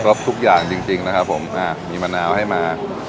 ทุกอย่างจริงนะครับผมอ่ามีมะนาวให้มา